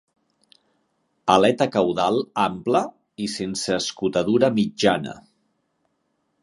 Aleta caudal ampla i sense escotadura mitjana.